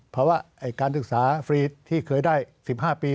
ภาวะการศึกษาฟรีที่เคยได้๑๕ปี